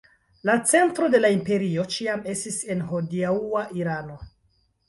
La centro de la imperio ĉiam estis en hodiaŭa Irano.